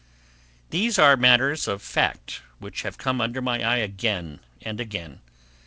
These are matters of fact, which have come under my eye again and again.